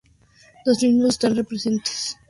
Los mismos están presentes en un único color, el verde.